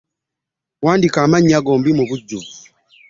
Wandiika amannya go bombi mu bujjuvu.